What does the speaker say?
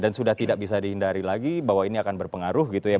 dan sudah tidak bisa dihindari lagi bahwa ini akan berpengaruh gitu ya